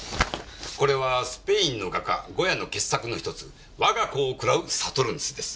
これはスペインの画家ゴヤの傑作のひとつ『わが子を喰らうサトゥルヌス』です。